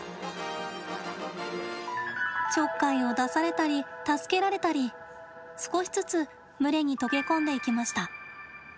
ちょっかいを出されたり助けられたり、少しずつ群れに溶け込んでいきました。